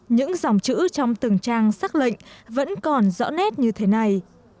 những dòng chữ trong từng trang xác lệnh vẫn còn rõ nét như thế này